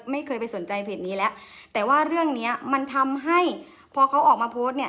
ไม่เคยไปสนใจเพจนี้แล้วแต่ว่าเรื่องเนี้ยมันทำให้พอเขาออกมาโพสต์เนี่ย